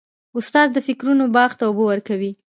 استاد د فکرونو باغ ته اوبه ورکوي.